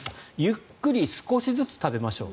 ゆっくり少しずつ食べましょう。